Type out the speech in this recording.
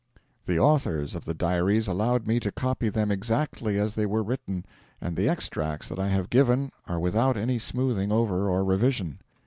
The authors of the diaries allowed me to copy them exactly as they were written, and the extracts that I have given are without any smoothing over or revision.